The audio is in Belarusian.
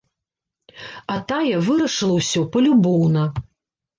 А тая вырашыла ўсё палюбоўна.